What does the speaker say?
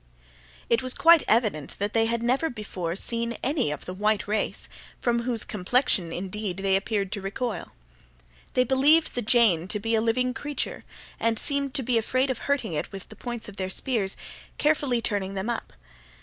It was quite evident that they had never before seen any of the white race—from whose complexion, indeed, they appeared to recoil. They believed the Jane to be a living creature, and seemed to be afraid of hurting it with the points of their spears, carefully turning them up.